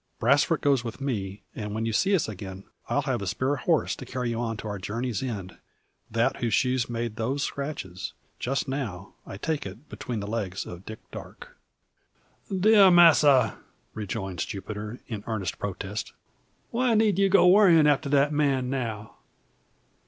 Brasfort goes with me; and when you see us again, I'll have a spare horse to carry you on to our journey's end; that whose shoes made those scratches just now, I take it, between the legs of Dick Darke." "Dear masser," rejoins Jupiter, in earnest protest. "Why need ye go worryin' after that man now?